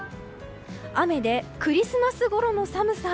雨でクリスマスころの寒さ。